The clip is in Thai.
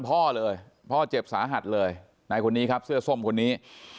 พ่อเลยพ่อเจ็บสาหัสเลยนายคนนี้ครับเสื้อส้มคนนี้